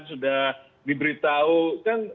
sudah diberitahu kan